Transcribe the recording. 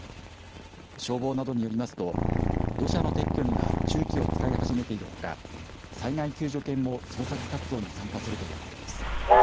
消防などによりますと土砂の撤去には重機を使い始めているほか災害救助犬も捜索活動に参加するということです。